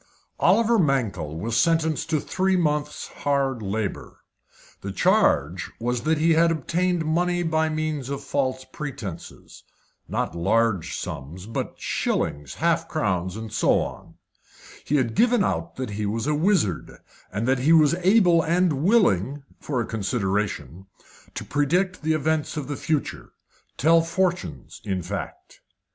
Oliver Mankell was sentenced to three months' hard labour. The charge was that he had obtained money by means of false pretences. Not large sums, but shillings, half crowns, and so on. He had given out that he was a wizard, and that he was able and willing for a consideration to predict the events of the future tell fortunes, in fact.